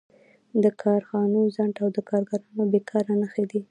د کارخانو ځنډ او د کارګرانو بېکاري نښې دي